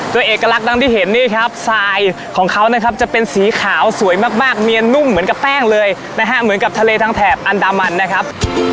โดยเอกลักษณ์ดังที่เห็นนี่ครับทรายของเขานะครับจะเป็นสีขาวสวยมากเนียนนุ่มเหมือนกับแป้งเลยนะฮะเหมือนกับทะเลทางแถบอันดามันนะครับ